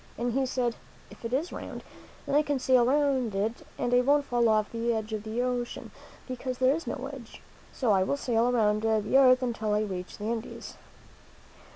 And he said, "If it is round, then I can sail around it and I won't fall off the edge of the ocean, because there is no edge. So I will sail around the earth until I reach the Indies."